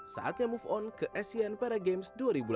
saatnya move on ke asean para games dua ribu delapan belas